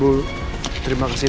berubah menjadi sosialisme